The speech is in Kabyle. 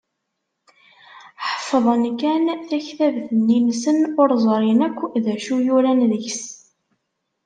Ḥeffḍen kan taktabt-nni-nsen, ur ẓrin akk d acu yuran deg-s.